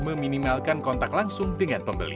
meminimalkan kontak langsung dengan pembeli